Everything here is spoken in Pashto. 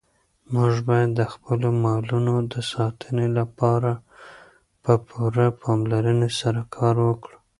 موږ باید د خپلو مالونو د ساتنې لپاره په پوره پاملرنې سره کار وکړو.